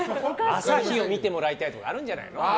朝日を見てもらいたいとかあるんじゃない？